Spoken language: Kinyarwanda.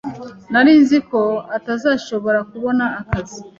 Nari nzi ko atazashobora kubona akazi.